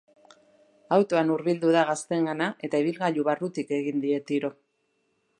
Autoan hurbildu da gazteengana eta ibilgailu barrutik egin die tiro.